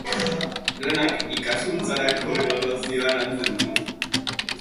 Planak ikaskuntzarako ebaluazioa lantzen du.